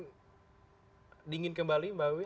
mungkinkah situasi ini akan dingin kembali mbak wi